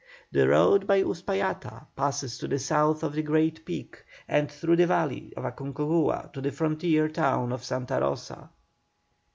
The road by Uspallata passes to the south of the great peak and through the valley of Aconcagua to the frontier town of Santa Rosa.